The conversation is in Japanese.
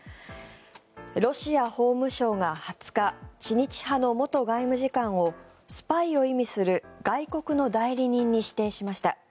ロシア法務省が２０日知日派の元外務次官をスパイを意味する外国の代理人に指定しました。